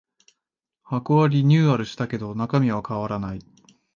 箱はリニューアルしたけど中身は変わらない